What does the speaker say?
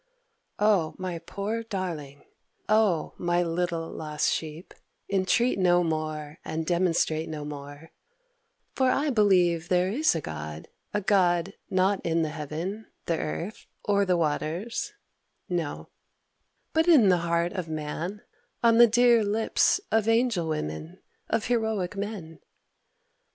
O my poor darling, O my little lost sheep, Entreat no more and demonstrate no more; For I believe there is a God, a God Not in the heaven, the earth, or the waters; no, But in the heart of man, on the dear lips Of angel women, of heroic men!